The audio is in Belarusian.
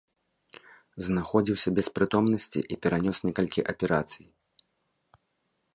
Знаходзіўся без прытомнасці і перанёс некалькі аперацый.